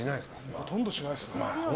ほとんどしないですね。